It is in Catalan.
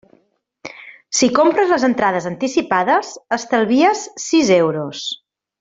Si compres les entrades anticipades estalvies sis euros.